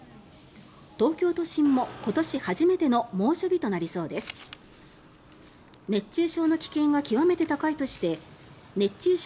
東京都心も今年初めての猛暑日となりそうです。